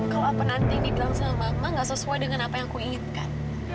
kalau apa nanti dibilang sama emak gak sesuai dengan apa yang aku inginkan